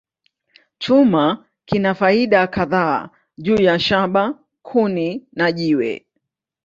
Chuma kina faida kadhaa juu ya shaba, kuni, na jiwe.